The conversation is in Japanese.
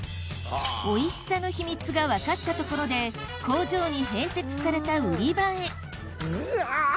おいしさの秘密が分かったところで工場に併設されたぐあ！